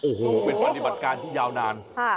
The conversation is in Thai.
โอ้โหเป็นปฏิบัติการที่ยาวนาน